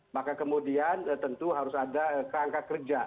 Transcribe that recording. maka kemudian tentu harus ada kerangka kerja